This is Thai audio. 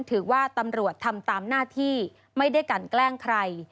ถือว่าตำรวจทำตามหน้าที่ไม่ได้กันแกล้งใคร